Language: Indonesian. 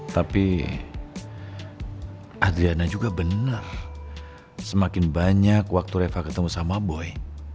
tapi adriana juga benar semakin banyak waktu reva ketemu sama boy